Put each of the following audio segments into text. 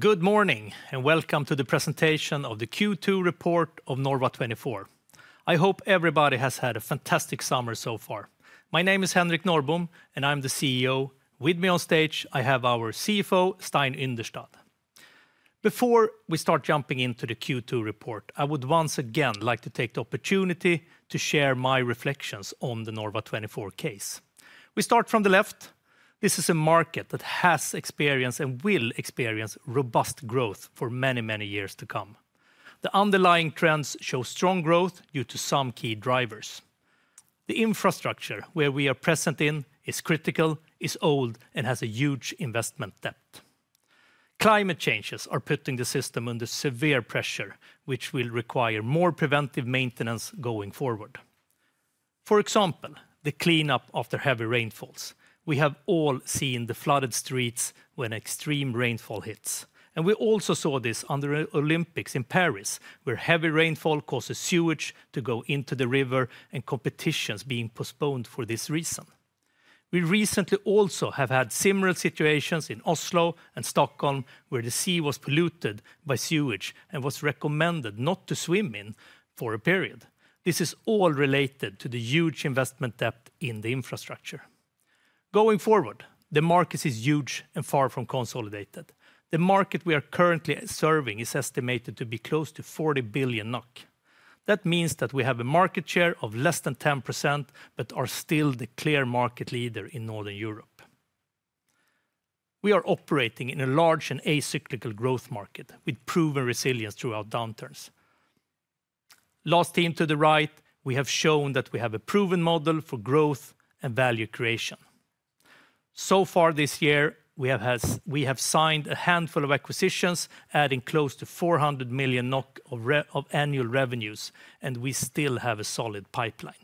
Good morning, and welcome to the presentation of the Q2 Report of Norva24. I hope everybody has had a fantastic summer so far. My name is Henrik Norrbom, and I'm the CEO. With me on stage, I have our CFO, Stein Yndestad. Before we start jumping into the Q2 report, I would once again like to take the opportunity to share my reflections on the Norva24 case. We start from the left. This is a market that has experienced and will experience robust growth for many, many years to come. The underlying trends show strong growth due to some key drivers. The infrastructure where we are present in is critical, is old, and has a huge investment debt. Climate changes are putting the system under severe pressure, which will require more preventive maintenance going forward. For example, the cleanup after heavy rainfalls. We have all seen the flooded streets when extreme rainfall hits, and we also saw this on the Olympics in Paris, where heavy rainfall causes sewage to go into the river and competitions being postponed for this reason. We recently also have had similar situations in Oslo and Stockholm, where the sea was polluted by sewage and was recommended not to swim in for a period. This is all related to the huge investment debt in the infrastructure. Going forward, the market is huge and far from consolidated. The market we are currently serving is estimated to be close to 40 billion NOK. That means that we have a market share of less than 10%, but are still the clear market leader in Northern Europe. We are operating in a large and acyclical growth market with proven resilience throughout downturns. Last theme to the right, we have shown that we have a proven model for growth and value creation. So far this year, we have signed a handful of acquisitions, adding close to 400 million NOK of annual revenues, and we still have a solid pipeline.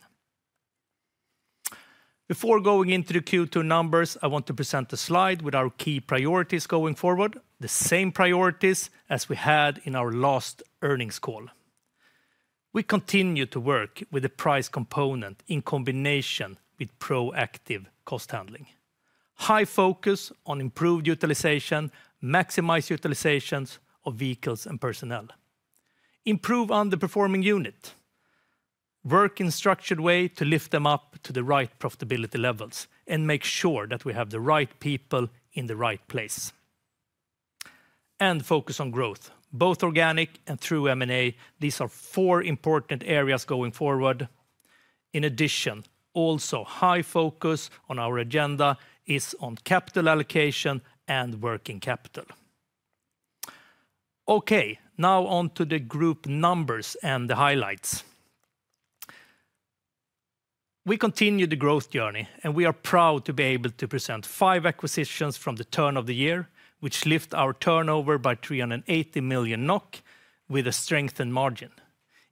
Before going into the Q2 numbers, I want to present a slide with our key priorities going forward, the same priorities as we had in our last earnings call. We continue to work with the price component in combination with proactive cost handling. High focus on improved utilization, maximize utilizations of vehicles and personnel. Improve underperforming unit, work in structured way to lift them up to the right profitability levels, and make sure that we have the right people in the right place. And focus on growth, both organic and through M&A. These are four important areas going forward. In addition, also high focus on our agenda is on capital allocation and working capital. Okay, now on to the group numbers and the highlights. We continue the growth journey, and we are proud to be able to present five acquisitions from the turn of the year, which lift our turnover by 380 million NOK with a strengthened margin.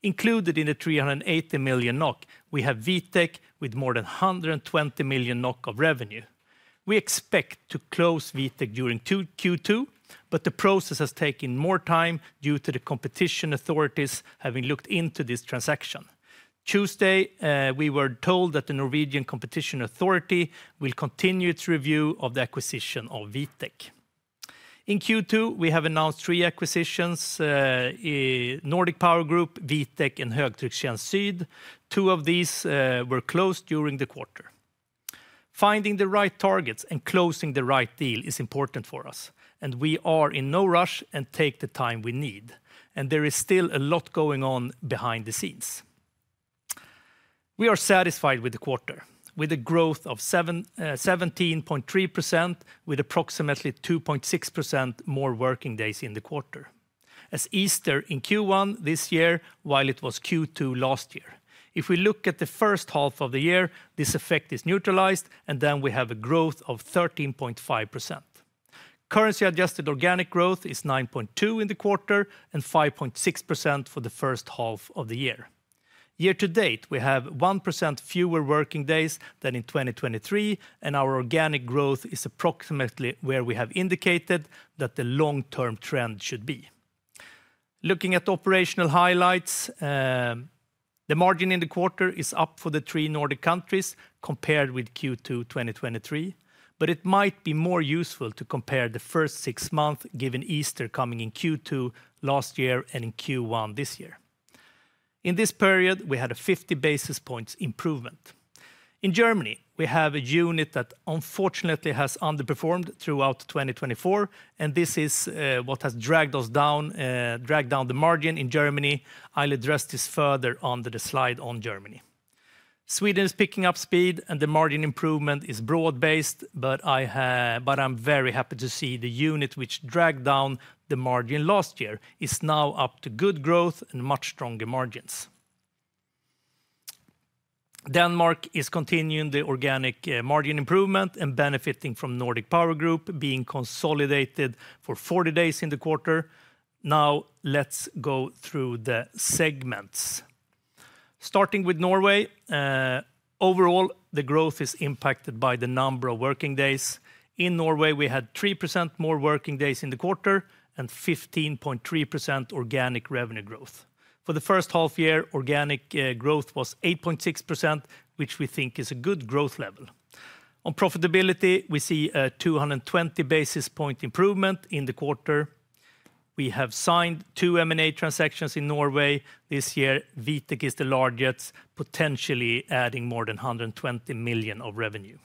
Included in the 380 million NOK, we have Vitek with more than 120 million NOK of revenue. We expect to close Vitek during Q2, but the process has taken more time due to the competition authorities having looked into this transaction. Tuesday, we were told that the Norwegian Competition Authority will continue its review of the acquisition of Vitek. In Q2, we have announced three acquisitions in Nordic Powergroup, Vitek, and Högtryckstjänst Syd. Two of these were closed during the quarter. Finding the right targets and closing the right deal is important for us, and we are in no rush and take the time we need, and there is still a lot going on behind the scenes. We are satisfied with the quarter, with a growth of seventeen point three percent, with approximately two point six percent more working days in the quarter. As Easter in Q1 this year, while it was Q2 last year. If we look at the first half of the year, this effect is neutralized, and then we have a growth of thirteen point five percent. Currency-adjusted organic growth is nine point two% in the quarter and five point six% for the first half of the year. Year to date, we have 1% fewer working days than in 2023, and our organic growth is approximately where we have indicated that the long-term trend should be. Looking at operational highlights, the margin in the quarter is up for the three Nordic countries compared with Q2 2023, but it might be more useful to compare the first six months, given Easter coming in Q2 last year and in Q1 this year. In this period, we had a 50 basis points improvement. In Germany, we have a unit that unfortunately has underperformed throughout 2024, and this is what has dragged us down, dragged down the margin in Germany. I'll address this further under the slide on Germany. Sweden is picking up speed, and the margin improvement is broad-based, but I'm very happy to see the unit which dragged down the margin last year is now up to good growth and much stronger margins. Denmark is continuing the organic margin improvement and benefiting from Nordic Powergroup being consolidated for 40 days in the quarter. Now, let's go through the segments. Starting with Norway, overall, the growth is impacted by the number of working days. In Norway, we had 3% more working days in the quarter and 15.3% organic revenue growth. For the first half year, organic growth was 8.6%, which we think is a good growth level. On profitability, we see a 220 basis points improvement in the quarter. We have signed 2 M&A transactions in Norway this year. Vitek is the largest, potentially adding more than 120 million of revenue.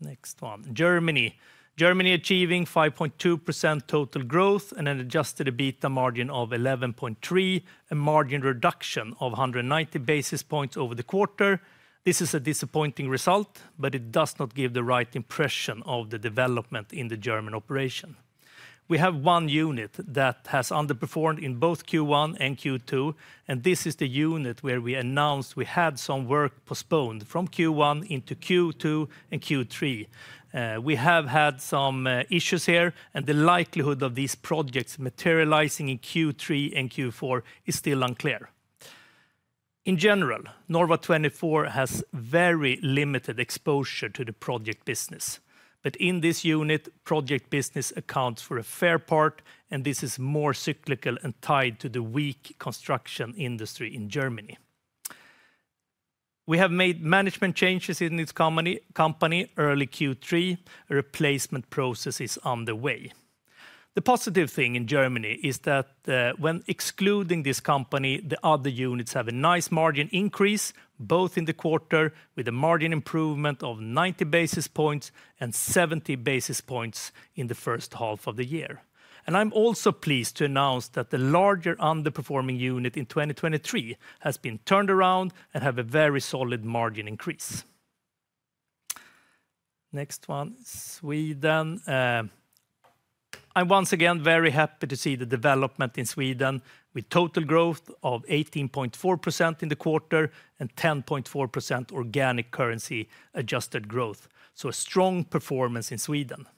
Next one, Germany. Germany achieving 5.2% total growth and an adjusted EBITDA margin of 11.3%, a margin reduction of 190 basis points over the quarter. This is a disappointing result, but it does not give the right impression of the development in the German operation. We have one unit that has underperformed in both Q1 and Q2, and this is the unit where we announced we had some work postponed from Q1 into Q2 and Q3. We have had some issues here, and the likelihood of these projects materializing in Q3 and Q4 is still unclear. In general, Norva24 has very limited exposure to the project business. But in this unit, project business accounts for a fair part, and this is more cyclical and tied to the weak construction industry in Germany. We have made management changes in this company early Q3. A replacement process is on the way. The positive thing in Germany is that, when excluding this company, the other units have a nice margin increase, both in the quarter, with a margin improvement of 90 basis points and 70 basis points in the first half of the year. And I'm also pleased to announce that the larger underperforming unit in 2023 has been turned around and have a very solid margin increase. Next one, Sweden. I'm once again, very happy to see the development in Sweden with total growth of 18.4% in the quarter and 10.4% organic currency-adjusted growth, so a strong performance in Sweden.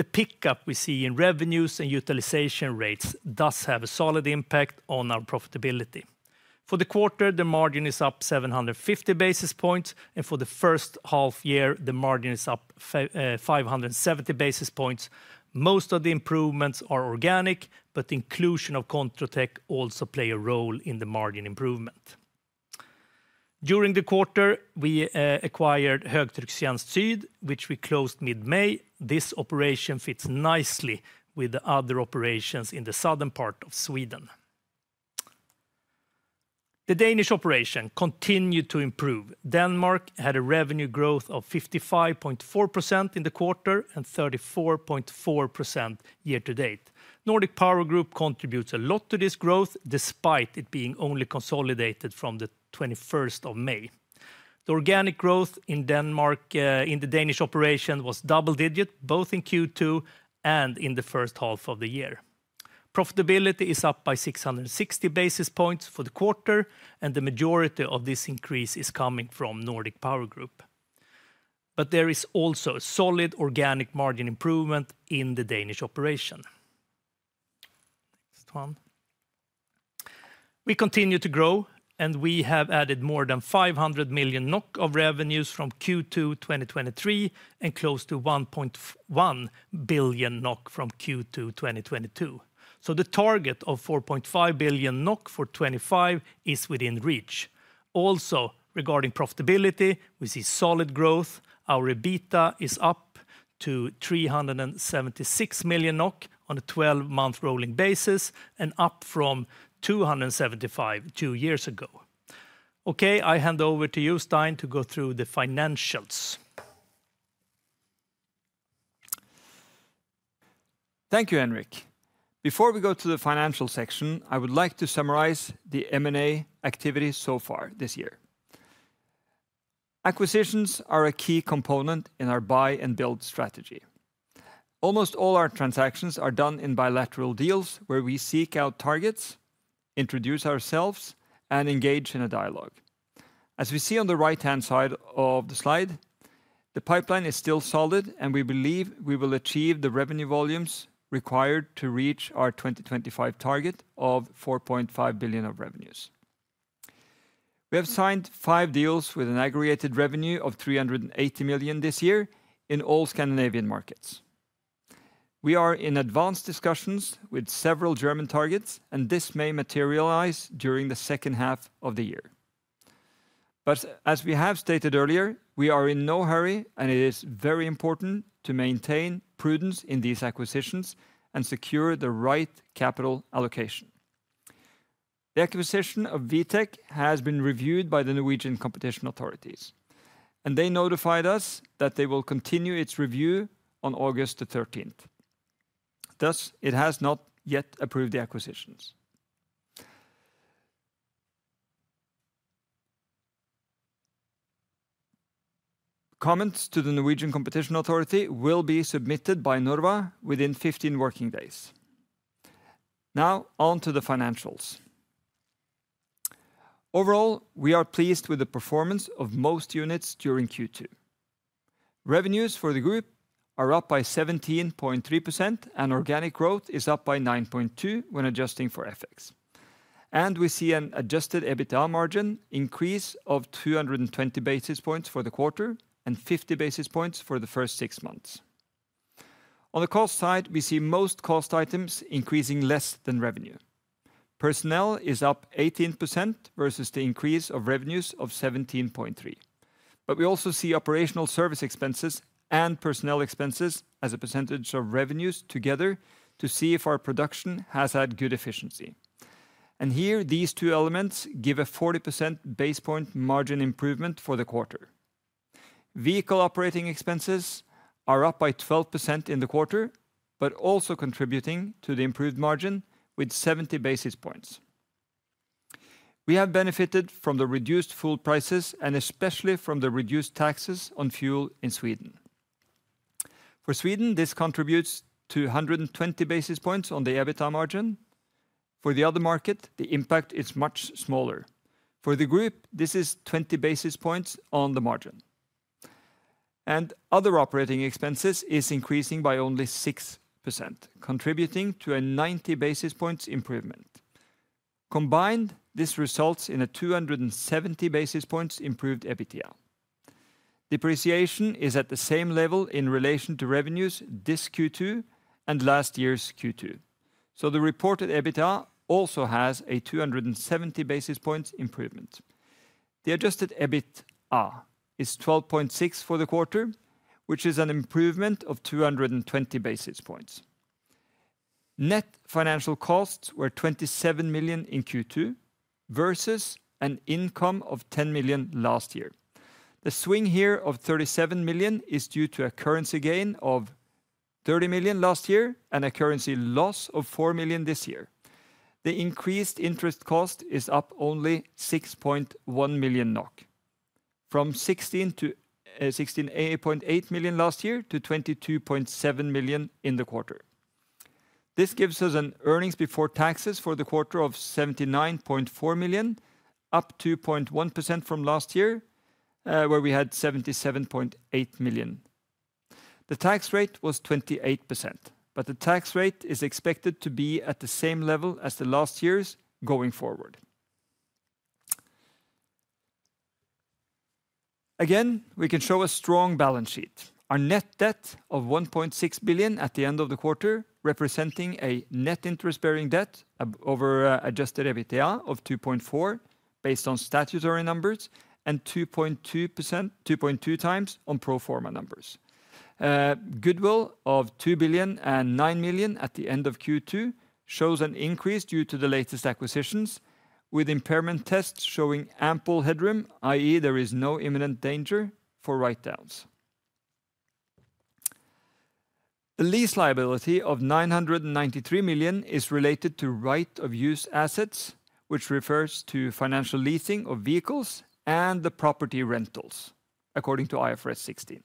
The pickup we see in revenues and utilization rates does have a solid impact on our profitability. For the quarter, the margin is up 750 basis points, and for the first half year, the margin is up 570 basis points. Most of the improvements are organic, but the inclusion of ControTech also play a role in the margin improvement. During the quarter, we acquired Högtryckstjänst Syd, which we closed mid-May. This operation fits nicely with the other operations in the southern part of Sweden. The Danish operation continued to improve. Denmark had a revenue growth of 55.4% in the quarter and 34.4% year to date. Nordic Powergroup contributes a lot to this growth, despite it being only consolidated from the 21st of May. The organic growth in Denmark, in the Danish operation, was double-digit, both in Q2 and in the first half of the year. Profitability is up by 660 basis points for the quarter, and the majority of this increase is coming from Nordic Powergroup. But there is also a solid organic margin improvement in the Danish operation. Next one. We continue to grow, and we have added more than 500 million NOK of revenues from Q2 2023 and close to 1.1 billion NOK from Q2 2022. The target of 4.5 billion NOK for 2025 is within reach. Also, regarding profitability, we see solid growth. Our EBITDA is up to 376 million NOK on a 12-month rolling basis and up from 275 two years ago. Okay, I hand over to you, Stein, to go through the financials. Thank you, Henrik. Before we go to the financial section, I would like to summarize the M&A activity so far this year. Acquisitions are a key component in our buy and build strategy. Almost all our transactions are done in bilateral deals, where we seek out targets, introduce ourselves, and engage in a dialogue. As we see on the right-hand side of the slide, the pipeline is still solid, and we believe we will achieve the revenue volumes required to reach our 2025 target of 4.5 billion of revenues. We have signed five deals with an aggregated revenue of 380 million this year in all Scandinavian markets. We are in advanced discussions with several German targets, and this may materialize during the second half of the year. But as we have stated earlier, we are in no hurry, and it is very important to maintain prudence in these acquisitions and secure the right capital allocation. The acquisition of Vitek has been reviewed by the Norwegian Competition Authority, and they notified us that they will continue its review on August the thirteenth. Thus, it has not yet approved the acquisitions. Comments to the Norwegian Competition Authority will be submitted by Norva24 within 15 working days. Now, on to the financials. Overall, we are pleased with the performance of most units during Q2. Revenues for the group are up by 17.3%, and organic growth is up by 9.2 when adjusting for FX. And we see an adjusted EBITDA margin increase of 220 basis points for the quarter and 50 basis points for the first six months. On the cost side, we see most cost items increasing less than revenue. Personnel is up 18% versus the increase of revenues of 17.3%. But we also see operational service expenses and personnel expenses as a percentage of revenues together to see if our production has had good efficiency. And here, these two elements give a 40 basis point margin improvement for the quarter. Vehicle operating expenses are up by 12% in the quarter, but also contributing to the improved margin with 70 basis points. We have benefited from the reduced fuel prices and especially from the reduced taxes on fuel in Sweden. For Sweden, this contributes to 120 basis points on the EBITDA margin. For the other market, the impact is much smaller. For the group, this is 20 basis points on the margin. Other operating expenses is increasing by only 6%, contributing to a 90 basis points improvement. Combined, this results in a 270 basis points improved EBITDA. Depreciation is at the same level in relation to revenues this Q2 and last year's Q2. So the reported EBITDA also has a 270 basis points improvement. The adjusted EBITA is 12.6 for the quarter, which is an improvement of 220 basis points. Net financial costs were 27 million in Q2, versus an income of 10 million last year. The swing here of 37 million is due to a currency gain of 30 million last year and a currency loss of 4 million this year. The increased interest cost is up only 6.1 million NOK, from 16 to 16.8 million last year to 22.7 million in the quarter. This gives us an earnings before taxes for the quarter of 79.4 million, up 2.1% from last year, where we had 77.8 million. The tax rate was 28%, but the tax rate is expected to be at the same level as last year's going forward. Again, we can show a strong balance sheet. Our net debt of 1.6 billion at the end of the quarter, representing a net interest-bearing debt of over adjusted EBITDA of 2.4, based on statutory numbers, and 2.2%, 2.2 times on pro forma numbers. Goodwill of 2.009 billion at the end of Q2 shows an increase due to the latest acquisitions, with impairment tests showing ample headroom, i.e., there is no imminent danger for write-downs. The lease liability of 993 million is related to right-of-use assets, which refers to financial leasing of vehicles and the property rentals, according to IFRS 16.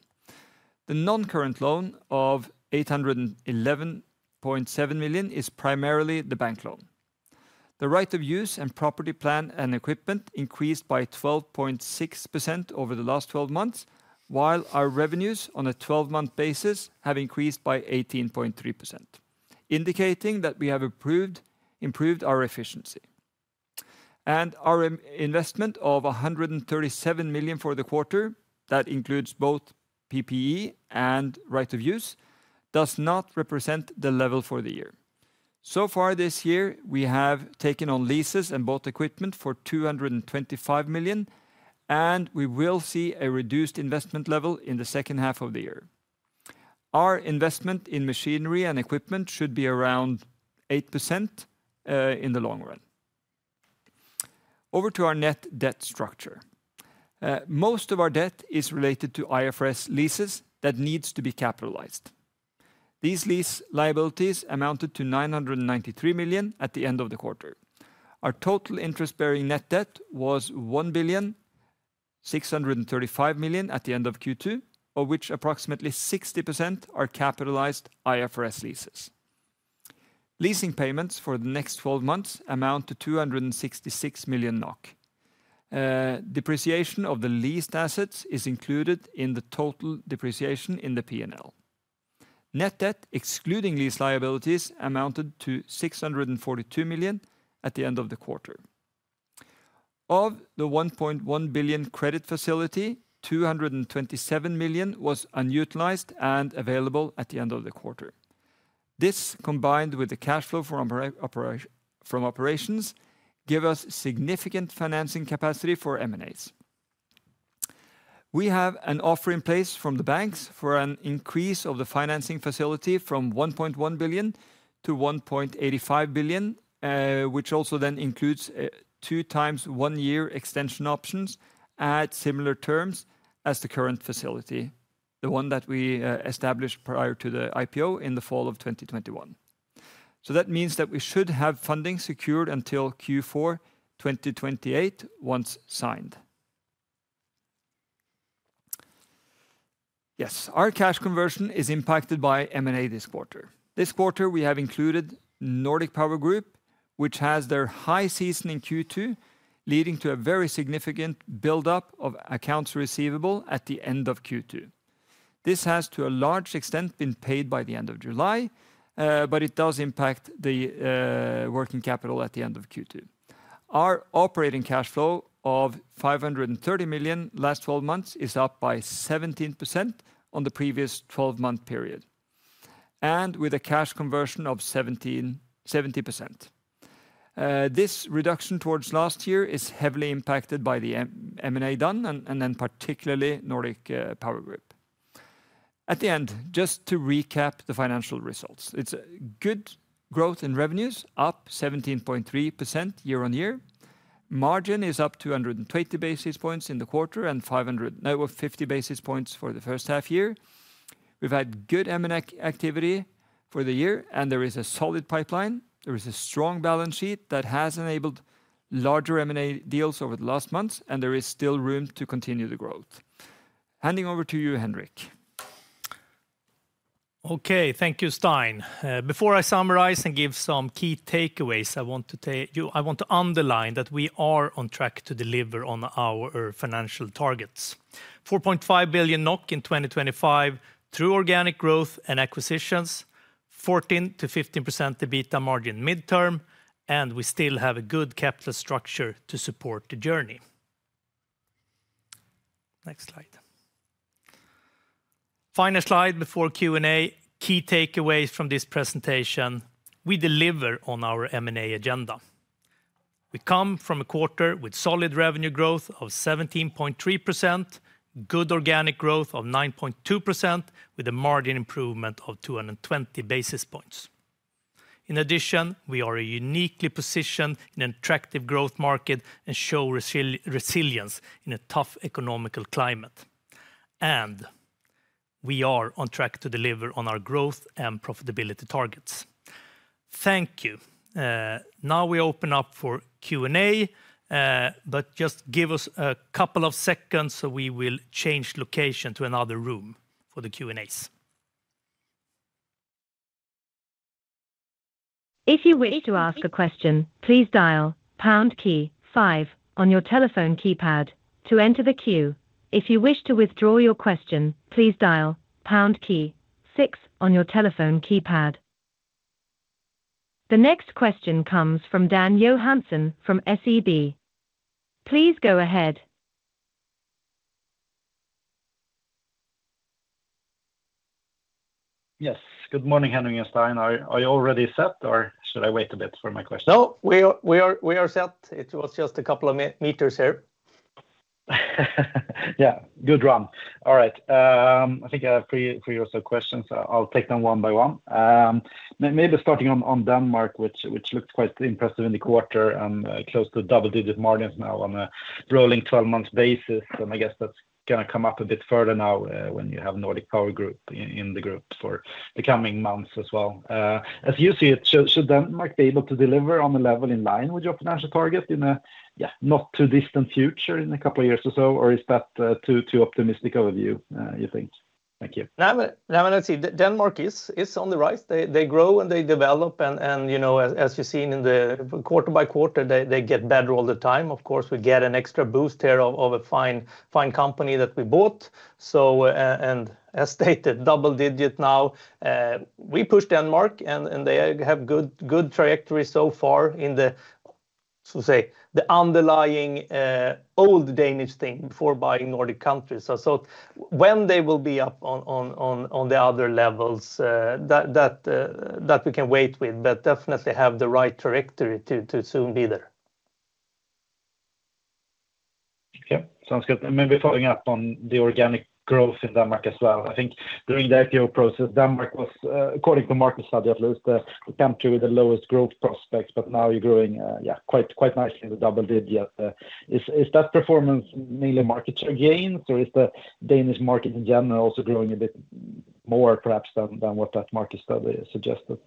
The non-current loan of 811.7 million is primarily the bank loan. The right-of-use and property, plant and equipment increased by 12.6% over the last 12 months, while our revenues on a 12-month basis have increased by 18.3%, indicating that we have approved, improved our efficiency. Our investment of 137 million for the quarter, that includes both PPE and right of use, does not represent the level for the year. So far this year, we have taken on leases and bought equipment for 225 million, and we will see a reduced investment level in the second half of the year. Our investment in machinery and equipment should be around 8%, in the long run. Over to our net debt structure. Most of our debt is related to IFRS leases that needs to be capitalized. These lease liabilities amounted to 993 million at the end of the quarter. Our total interest-bearing net debt was 1,635 million at the end of Q2, of which approximately 60% are capitalized IFRS leases. Leasing payments for the next twelve months amount to 266 million NOK. Depreciation of the leased assets is included in the total depreciation in the P&L. Net debt, excluding these liabilities, amounted to 642 million at the end of the quarter. Of the 1.1 billion credit facility, 227 million was unutilized and available at the end of the quarter. This, combined with the cash flow from operations, give us significant financing capacity for M&As. We have an offer in place from the banks for an increase of the financing facility from 1.1 billion to 1.85 billion, which also then includes two 1-year extension options at similar terms as the current facility, the one that we established prior to the IPO in the fall of 2021. So that means that we should have funding secured until Q4 2028, once signed. Yes, our cash conversion is impacted by M&A this quarter. This quarter, we have included Nordic Power Group, which has their high season in Q2, leading to a very significant buildup of accounts receivable at the end of Q2. This has, to a large extent, been paid by the end of July, but it does impact the working capital at the end of Q2. Our operating cash flow of 530 million last twelve months is up by 17% on the previous twelve-month period, and with a cash conversion of 177%. This reduction towards last year is heavily impacted by the M&A done, and then particularly Nordic Power Group. At the end, just to recap the financial results, it's a good growth in revenues, up 17.3% year-on-year. Margin is up 200 and 20 basis points in the quarter, and 500, no, 50 basis points for the first half year. We've had good M&A activity for the year, and there is a solid pipeline. There is a strong balance sheet that has enabled larger M&A deals over the last months, and there is still room to continue the growth. Handing over to you, Henrik. Okay, thank you, Stein. Before I summarize and give some key takeaways, I want to underline that we are on track to deliver on our financial targets. 4.5 billion NOK in 2025 through organic growth and acquisitions, 14%-15% EBITA margin mid-term, and we still have a good capital structure to support the journey. Next slide. Final slide before Q&A, key takeaways from this presentation, we deliver on our M&A agenda. We come from a quarter with solid revenue growth of 17.3%, good organic growth of 9.2%, with a margin improvement of 220 basis points. In addition, we are uniquely positioned in an attractive growth market and show resilience in a tough economic climate, and we are on track to deliver on our growth and profitability targets. Thank you. Now we open up for Q&A, but just give us a couple of seconds, so we will change location to another room for the Q&A's. If you wish to ask a question, please dial pound key five on your telephone keypad to enter the queue. If you wish to withdraw your question, please dial pound key six on your telephone keypad. The next question comes from Dan Johansson from SEB. Please go ahead. Yes, good morning, Henrik and Stein. Are you already set, or should I wait a bit for my question? No, we are set. It was just a couple of meters here. Yeah, good run. All right, I think I have three, three or so questions. I'll take them one by one. Maybe starting on Denmark, which looked quite impressive in the quarter, and close to double-digit margins now on a rolling 12-month basis. And I guess that's gonna come up a bit further now, when you have Nordic Powergroup in the group for the coming months as well. As you see it, so should Denmark be able to deliver on the level in line with your financial target in a, yeah, not too distant future, in a couple of years or so, or is that too optimistic overview, you think? Thank you. Now, let's see. Denmark is on the rise. They grow, and they develop, and, you know, as you've seen quarter by quarter, they get better all the time. Of course, we get an extra boost here of a fine company that we bought. So, and as stated, double-digit now, we pushed Denmark, and they have good trajectory so far in the, so to say, the underlying old Danish thing before buying Nordic countries. So, when they will be up on the other levels, that we can wait with, but definitely have the right trajectory to soon be there. Yeah, sounds good. And maybe following up on the organic growth in Denmark as well. I think during the IPO process, Denmark was, according to market study, at least, the country with the lowest growth prospects, but now you're growing, yeah, quite, quite nicely, the double digit. Is that performance mainly market share gains, or is the Danish market in general also growing a bit more, perhaps, than what that market study suggested?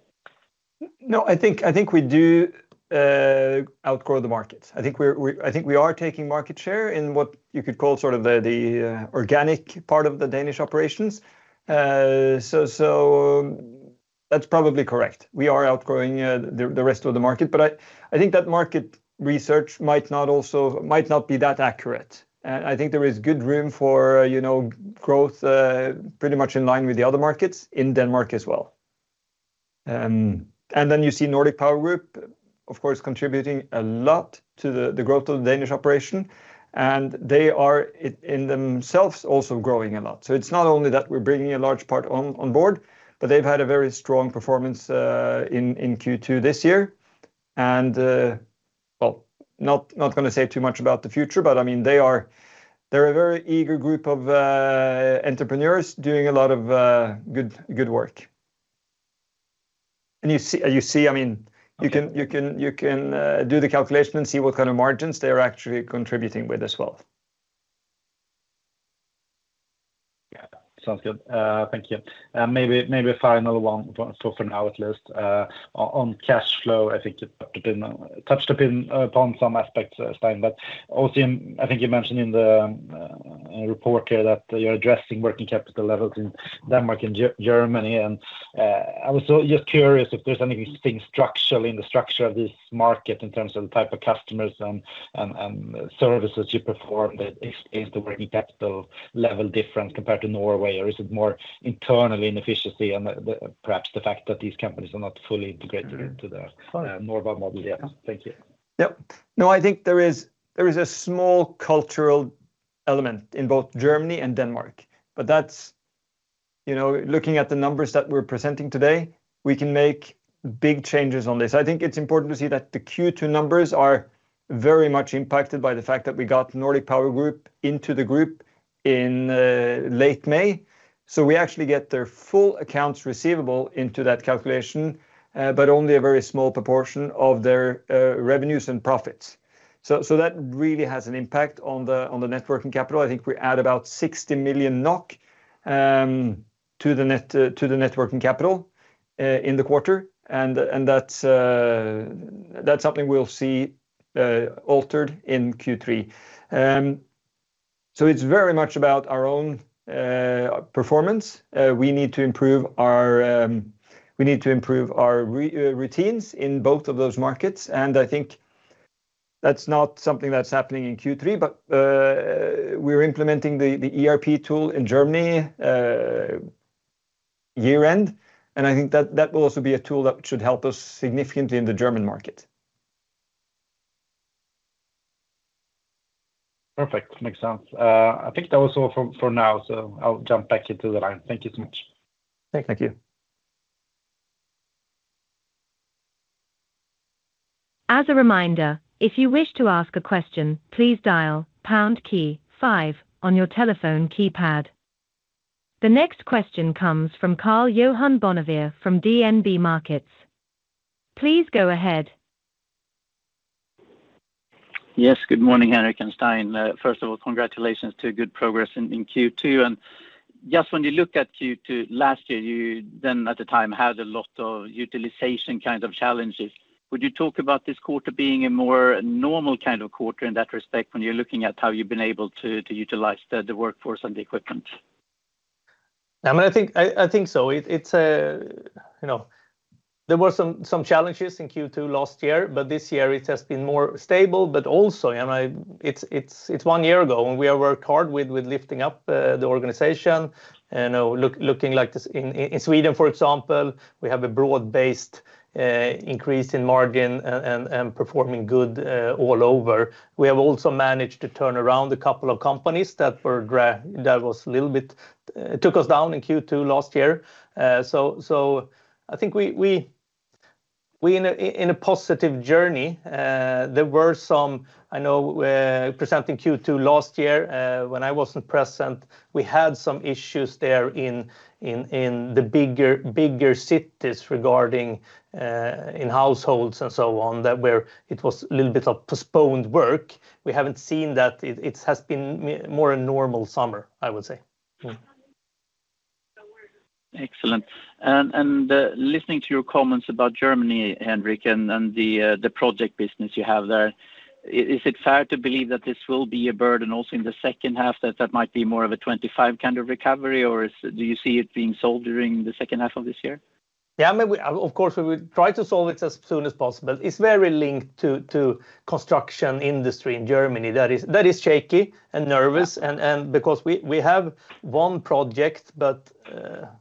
No, I think, I think we do outgrow the markets. I think we are taking market share in what you could call sort of the organic part of the Danish operations. So, so that's probably correct. We are outgrowing the rest of the market, but I think that market research might not also, might not be that accurate. And I think there is good room for, you know, growth pretty much in line with the other markets in Denmark as well. And then you see Nordic Powergroup, of course, contributing a lot to the growth of the Danish operation, and they are in themselves also growing a lot. So it's not only that we're bringing a large part on board, but they've had a very strong performance in Q2 this year. And, well, not gonna say too much about the future, but I mean, they are, they're a very eager group of entrepreneurs doing a lot of good, good work. And you see, I mean- Okay... you can do the calculation and see what kind of margins they are actually contributing with as well. Yeah, sounds good. Thank you. Maybe, maybe a final one for now, at least. On, on cash flow, I think you've touched upon, touched upon some aspects, Stein, but also, I think you mentioned in the report here that you're addressing working capital levels in Denmark and Germany. And I was so just curious if there's anything structural in the structure of this market in terms of the type of customers and, and, and services you perform, that is, is the working capital level different compared to Norway, or is it more internal inefficiency and the, the perhaps the fact that these companies are not fully integrated into the- Sure... Norva model yet? Thank you. Yep. No, I think there is a small cultural difference element in both Germany and Denmark. But that's, you know, looking at the numbers that we're presenting today, we can make big changes on this. I think it's important to see that the Q2 numbers are very much impacted by the fact that we got Nordic Powergroup into the group in late May. So we actually get their full accounts receivable into that calculation, but only a very small proportion of their revenues and profits. So that really has an impact on the net working capital. I think we add about 60 million NOK to the net working capital in the quarter, and that's something we'll see altered in Q3. So it's very much about our own performance. We need to improve our routines in both of those markets, and I think that's not something that's happening in Q3. But, we're implementing the ERP tool in Germany year-end, and I think that will also be a tool that should help us significantly in the German market. Perfect. Makes sense. I think that was all from, for now, so I'll jump back into the line. Thank you so much. Thank you. As a reminder, if you wish to ask a question, please dial pound key five on your telephone keypad. The next question comes from Karl-Johan Bonnevier from DNB Markets. Please go ahead. Yes, good morning, Henrik and Stein. First of all, congratulations to a good progress in Q2. And just when you look at Q2 last year, you then, at the time, had a lot of utilization kind of challenges. Would you talk about this quarter being a more normal kind of quarter in that respect, when you're looking at how you've been able to utilize the workforce and the equipment? I mean, I think so. It's, you know, there were some challenges in Q2 last year, but this year it has been more stable. But also, it's one year ago, and we have worked hard with lifting up the organization. And looking like this, in Sweden, for example, we have a broad-based increase in margin and performing good all over. We have also managed to turn around a couple of companies that were a little bit took us down in Q2 last year. So, I think we in a positive journey. There were some, I know, presenting Q2 last year, when I wasn't present, we had some issues there in the bigger cities regarding in households and so on, that where it was a little bit of postponed work. We haven't seen that. It has been more a normal summer, I would say. Excellent. And, and, listening to your comments about Germany, Henrik, and, and the, the project business you have there, is it fair to believe that this will be a burden also in the second half, that that might be more of a 25 kind of recovery, or is... do you see it being sold during the second half of this year? Yeah, I mean, we, of course, we will try to solve it as soon as possible. It's very linked to the construction industry in Germany. That is shaky and nervous and because we have one project, but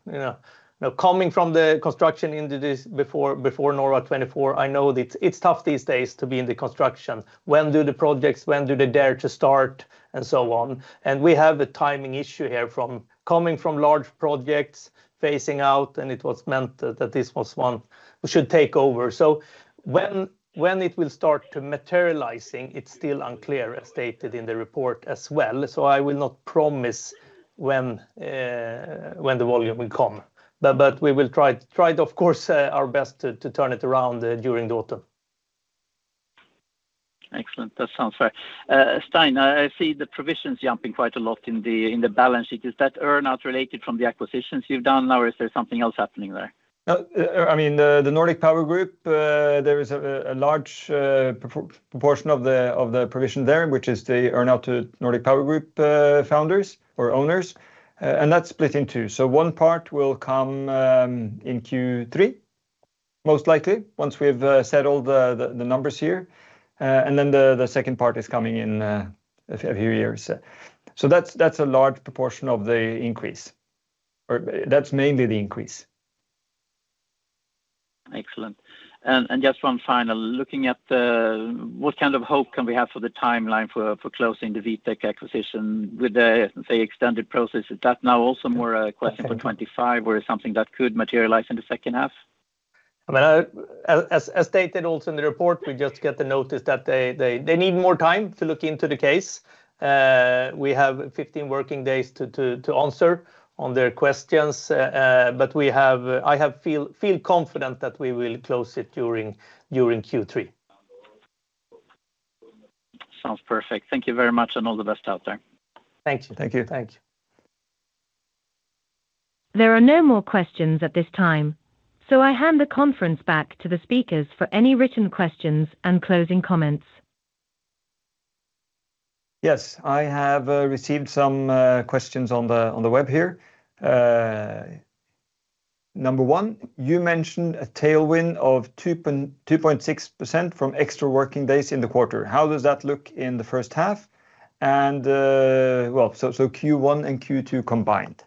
you know, now coming from the construction into this before November 2024, I know that it's tough these days to be in the construction. When do the projects, when do they dare to start, and so on. And we have a timing issue here from coming from large projects phasing out, and it was meant that this was one we should take over. So when it will start to materializing, it's still unclear, as stated in the report as well. So I will not promise when the volume will come. But we will try to, of course, our best to turn it around during the autumn. Excellent. That sounds fair. Stein, I see the provisions jumping quite a lot in the balance sheet. Is that earn-out related from the acquisitions you've done, or is there something else happening there? No, I mean, the Nordic Powergroup, there is a large proportion of the provision there, which is the earn-out to Nordic Powergroup founders or owners. And that's split in two. So one part will come in Q3, most likely, once we've settled the numbers here. And then the second part is coming in a few years. So that's a large proportion of the increase, or that's mainly the increase. Excellent. And just one final: Looking at the... what kind of hope can we have for the timeline for closing the Vitek acquisition with the extended process? Is that now also more a question for 2025 or something that could materialize in the second half? I mean, as stated also in the report, we just get the notice that they need more time to look into the case. We have 15 working days to answer on their questions, but we have... I feel confident that we will close it during Q3. Sounds perfect. Thank you very much, and all the best out there. Thank you. Thank you. Thanks. There are no more questions at this time, so I hand the conference back to the speakers for any written questions and closing comments. Yes, I have received some questions on the web here. Number one, you mentioned a tailwind of 2.6% from extra working days in the quarter. How does that look in the first half? And, well, so, so Q1 and Q2 combined?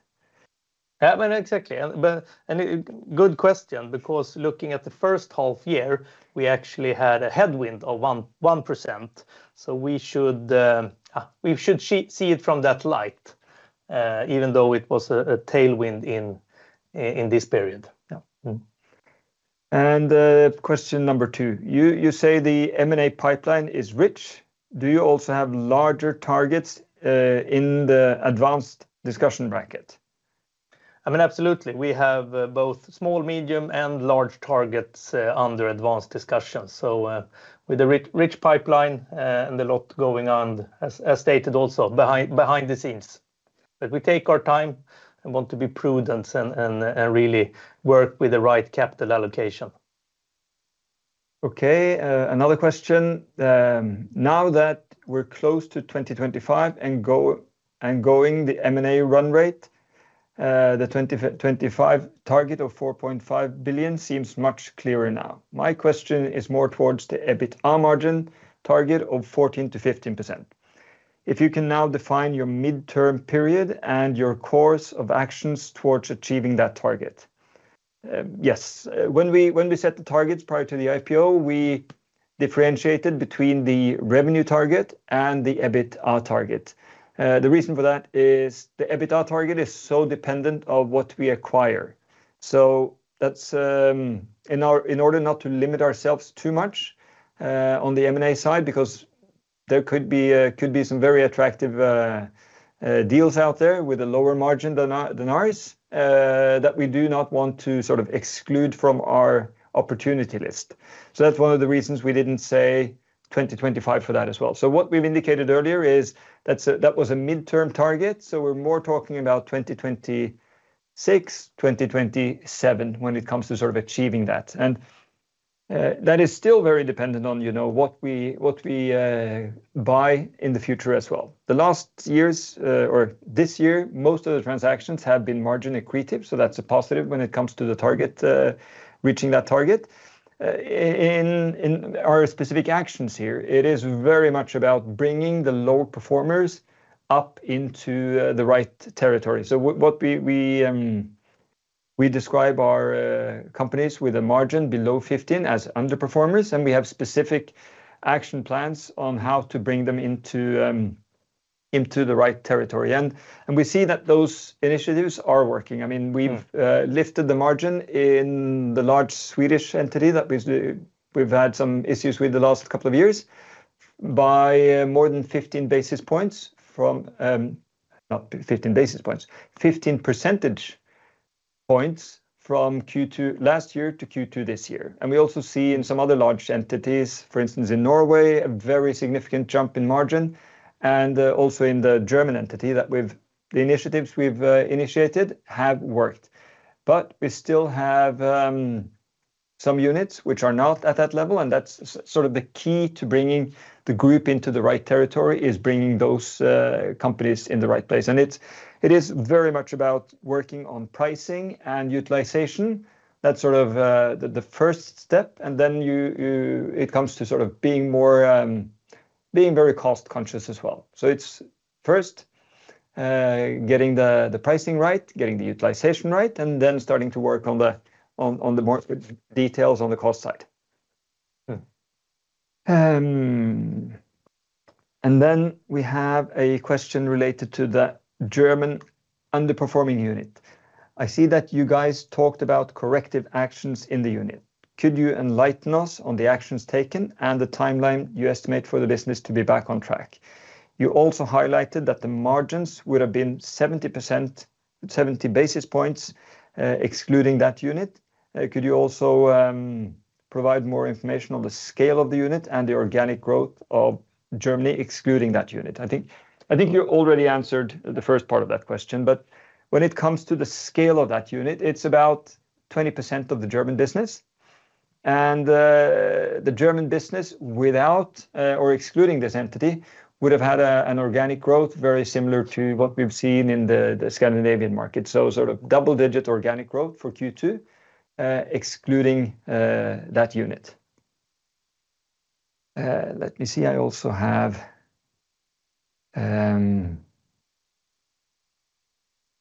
Yeah, I mean, exactly. But, and good question, because looking at the first half year, we actually had a headwind of 1%. So we should see it from that light, even though it was a tailwind in this period. Yeah. Mm-hmm. And, question number two: you say the M&A pipeline is rich. Do you also have larger targets in the advanced discussion bracket? I mean, absolutely. We have both small, medium, and large targets under advanced discussions. So, with a rich pipeline, and a lot going on, as stated also behind the scenes. But we take our time and want to be prudent and really work with the right capital allocation. Okay, another question. Now that we're close to 2025 and going the M&A run rate, the 2025 target of 4.5 billion seems much clearer now. My question is more towards the EBITDA margin target of 14%-15%. If you can now define your midterm period and your course of actions towards achieving that target? Yes. When we set the targets prior to the IPO, we differentiated between the revenue target and the EBITDA target. The reason for that is the EBITDA target is so dependent of what we acquire. So that's in our... In order not to limit ourselves too much, on the M&A side, because there could be, could be some very attractive, deals out there with a lower margin than our, than ours, that we do not want to sort of exclude from our opportunity list. So that's one of the reasons we didn't say 2025 for that as well. So what we've indicated earlier is that's a, that was a midterm target, so we're more talking about 2026, 2027, when it comes to sort of achieving that. And, that is still very dependent on, you know, what we, what we, buy in the future as well. The last years, or this year, most of the transactions have been margin accretive, so that's a positive when it comes to the target, reaching that target. In our specific actions here, it is very much about bringing the low performers up into the right territory. So what we describe our companies with a margin below 15 as underperformers, and we have specific action plans on how to bring them into the right territory. And we see that those initiatives are working. I mean, we've lifted the margin in the large Swedish entity that we've had some issues with the last couple of years, by more than 15 basis points from, not 15 basis points, 15 percentage points from Q2 last year to Q2 this year. And we also see in some other large entities, for instance, in Norway, a very significant jump in margin, and also in the German entity, that we've the initiatives we've initiated have worked. But we still have some units which are not at that level, and that's sort of the key to bringing the group into the right territory, is bringing those companies in the right place. And it's, it is very much about working on pricing and utilization. That's sort of the first step, and then you it comes to sort of being more being very cost-conscious as well. So it's first getting the pricing right, getting the utilization right, and then starting to work on the more details on the cost side. And then we have a question related to the German underperforming unit. I see that you guys talked about corrective actions in the unit. Could you enlighten us on the actions taken and the timeline you estimate for the business to be back on track? You also highlighted that the margins would have been 70%, 70 basis points, excluding that unit. Could you also provide more information on the scale of the unit and the organic growth of Germany excluding that unit? I think, I think you already answered the first part of that question, but when it comes to the scale of that unit, it's about 20% of the German business. The German business, without or excluding this entity, would have had a, an organic growth very similar to what we've seen in the, the Scandinavian market. So sort of double-digit organic growth for Q2, excluding that unit. Let me see. I also have...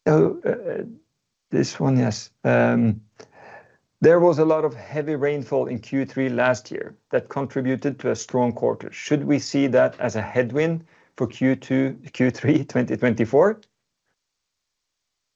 Oh, this one. Yes. There was a lot of heavy rainfall in Q3 last year that contributed to a strong quarter. Should we see that as a headwind for Q2... Q3 2024?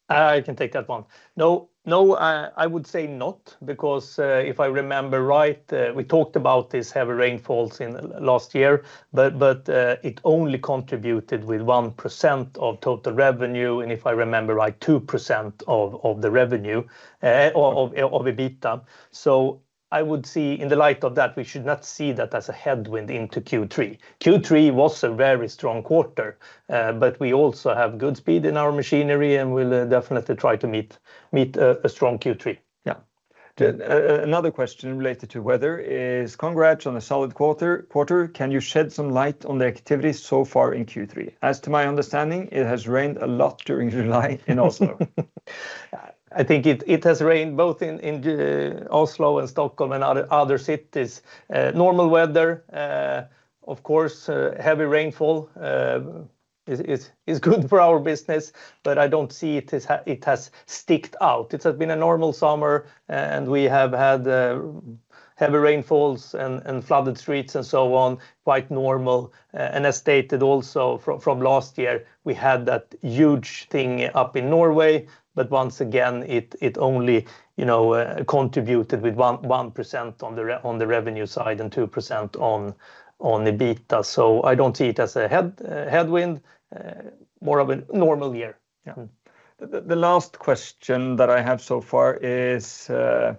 I can take that one. No, no, I would say not, because, if I remember right, we talked about these heavy rainfalls in last year, but it only contributed with 1% of total revenue, and if I remember right, 2% of the revenue or of EBITDA. So I would see, in the light of that, we should not see that as a headwind into Q3. Q3 was a very strong quarter, but we also have good speed in our machinery, and we'll definitely try to meet a strong Q3. Yeah. Another question related to weather is, "Congrats on a solid quarter. Can you shed some light on the activities so far in Q3? As to my understanding, it has rained a lot during July in Oslo." I think it has rained both in Oslo and Stockholm and other cities. Normal weather, of course, heavy rainfall is good for our business, but I don't see it has stuck out. It has been a normal summer, and we have had heavy rainfalls and flooded streets and so on, quite normal. And as stated also from last year, we had that huge thing up in Norway, but once again, it only, you know, contributed with 1% on the revenue side and 2% on EBITDA. So I don't see it as a headwind, more of a normal year. Yeah. Mm. The last question that I have so far is on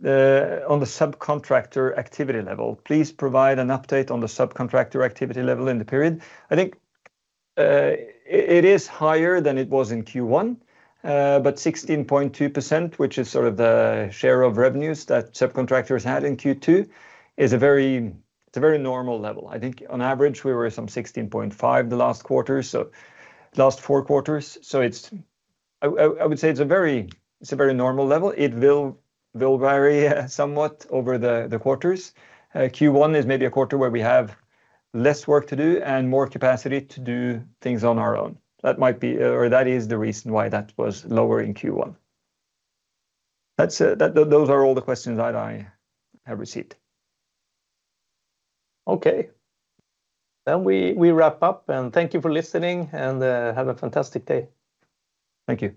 the subcontractor activity level. Please provide an update on the subcontractor activity level in the period. I think it is higher than it was in Q1, but 16.2%, which is sort of the share of revenues that subcontractors had in Q2, is a very normal level. I think on average, we were some 16.5 the last quarter, so last four quarters. So it's a very normal level. I would say it's a very normal level. It will vary somewhat over the quarters. Q1 is maybe a quarter where we have less work to do and more capacity to do things on our own. That might be, or that is the reason why that was lower in Q1. That's it. Those are all the questions that I have received. Okay. Then we wrap up, and thank you for listening, and have a fantastic day. Thank you.